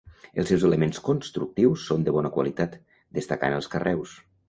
Els seus elements constructius són de bona qualitat, destacant els carreus.